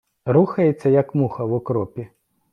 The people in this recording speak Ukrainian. Рухається, як муха в окропі.